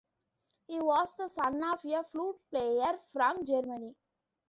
He was the son of a flute player from Germany.